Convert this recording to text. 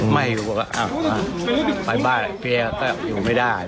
ไม่ให้อยู่ไปบ้านเพียก็อยู่ไม่ได้